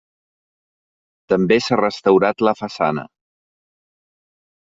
També s'ha restaurat la façana.